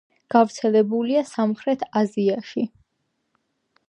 გავრცელებულია სამხრეთ აზიაში.